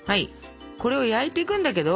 これを焼いていくんだけど。